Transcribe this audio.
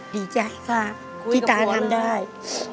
ดีใจค่ะที่ตาทำได้